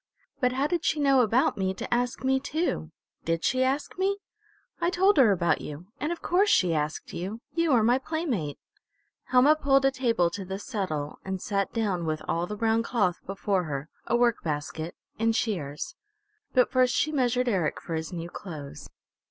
But how did she know about me to ask me too? Did she ask me?" "I told her about you. And of course she asked you. You are my playmate!" Helma pulled a table to the settle and sat down with all the brown cloth before her, a work basket, and shears. But first she measured Eric for his new clothes.